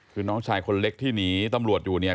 คือน้องชายคนเล็กที่หนีตำรวจอยู่เนี่ย